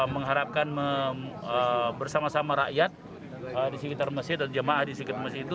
mengharapkan bersama sama rakyat di sekitar masjid atau jemaah di sekitar masjid itu